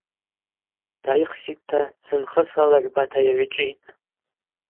Дайхситӏта зынхысрала гӏвбата йагӏвичӏвитӏ.